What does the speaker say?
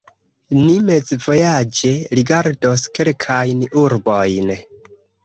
Ni mezvojaĝe rigardos kelkajn urbojn.